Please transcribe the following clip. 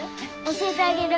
教えてあげる！